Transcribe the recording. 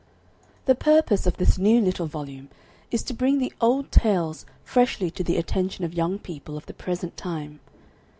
The purpose of this new little volume is to bring the old tales freshly to the attention of young people of the present time.